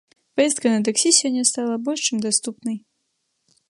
Паездка на таксі сёння стала больш, чым даступнай.